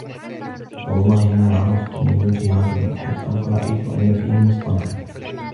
وَاَللَّهِ مَا عَرَفْتُ مِنْ وَجْهِ رَجُلٍ حِرْصًا فَرَأَيْتُ أَنَّ فِيهِ مُصْطَنَعًا